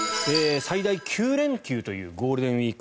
最大９連休というゴールデンウィーク。